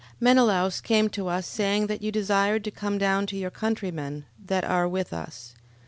11:29. Menelaus came to us, saying that you desired to come down to your countrymen, that are with us.